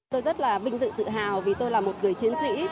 tôi rất là vinh dự tự hào vì tôi là một người chiến sĩ